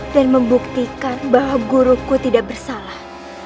dan membuktikan bahwa guruku tidak bersalah